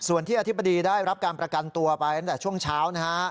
ส่วนที่อธิบดีได้รับการประกันตัวไปตั้งแต่ช่วงเช้านะฮะ